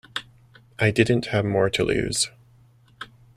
I didn't have more to lose.